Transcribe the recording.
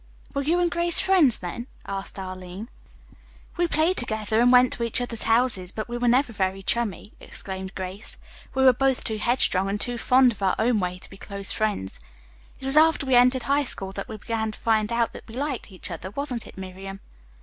"Were you and Grace friends then?" asked Arline. "We played together and went to each other's houses, but we were never very chummy," explained Grace. "We were both too headstrong and too fond of our own way to be close friends. It was after we entered high school that we began to find out that we liked each other, wasn't it, Miriam?"